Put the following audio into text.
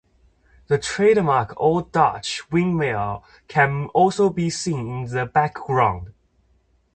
The trademark Old Dutch windmill can also be seen in the background.